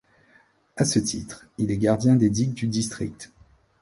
À ce titre, il est gardien des digues du district.